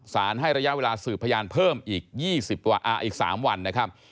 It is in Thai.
ให้ระยะเวลาสืบพยานเพิ่มอีก๓วันนะครับ